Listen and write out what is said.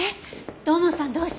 土門さんどうして？